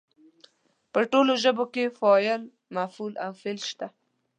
په ټولو ژبو کې فاعل، مفعول او فعل شته.